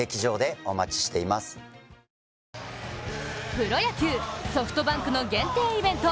プロ野球、ソフトバンクの限定イベント